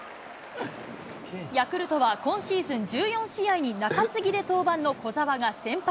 ヤクルトは今シーズン１４試合に中継ぎで登板の小澤が先発。